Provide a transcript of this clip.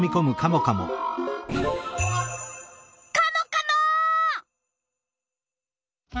カモカモ！